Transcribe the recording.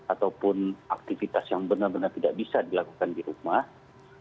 ataupun aktivitas yang benar benar tidak bisa dilakukan di rumah